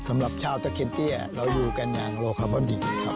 สำหรับชาวตะเคียนเตี้ยเราอยู่กันอย่างโลคาร์บอนดิกครับ